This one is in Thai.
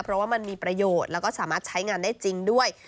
เพราะว่ามันมีประโยชน์แล้วก็สามารถใช้งานได้จริงด้วย